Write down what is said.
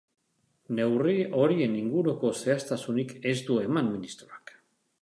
Neurri horien inguruko zehaztasunik ez du eman ministroak.